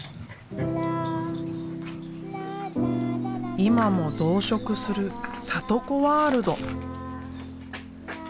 今も増殖するサト子ワールド。